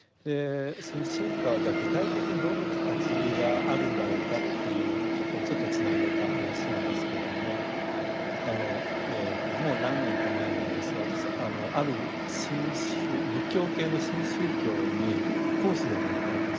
その深化はじゃあ具体的にどういう形があるんだろうかっていうところにちょっとつなげた話なんですけれどもえともう何年か前なんですが私ある仏教系の新宗教に講師で招かれた。